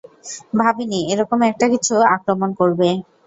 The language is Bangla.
ভাবিনি, এরকম একটা কিছু আক্রমণ করবে!